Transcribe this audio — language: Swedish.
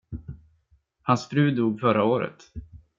Hans fru dog förra året.